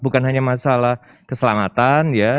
bukan hanya masalah keselamatan ya